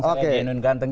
saya genuine ganteng